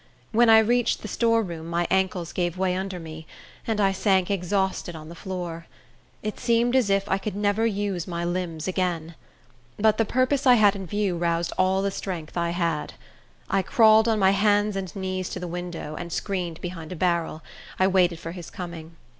When I reached the storeroom my ankles gave way under me, and I sank exhausted on the floor. It seemed as if I could never use my limbs again. But the purpose I had in view roused all the strength I had. I crawled on my hands and knees to the window, and, screened behind a barrel, I waited for his coming.